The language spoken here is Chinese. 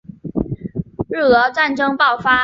日俄战争爆发